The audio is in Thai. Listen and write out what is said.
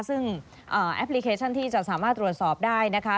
ซึ่งแอปพลิเคชันที่จะสามารถตรวจสอบได้นะคะ